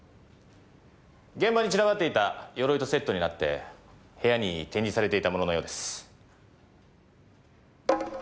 現場に散らばっていた鎧とセットになって部屋に展示されていたもののようです。